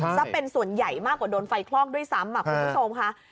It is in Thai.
ซะเป็นส่วนใหญ่มากกว่าโดนไฟคลอกด้วยซ้ำคุณผู้ชมค่ะ